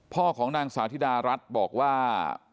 พ่อของสาวธิดารัชบอกว่า